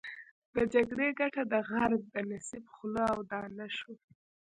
د جګړې ګټه د غرب د نصیب خوله او دانه شوه.